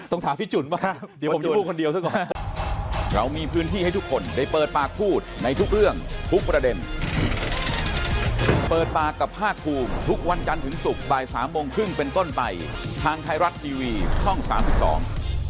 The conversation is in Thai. ถามพี่จุ๋นมากเดี๋ยวผมจะพูดคนเดียวซะก่อน